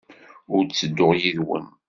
Ur ttedduɣ yid-wen.